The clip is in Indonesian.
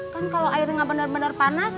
kan kalau airnya benar benar panas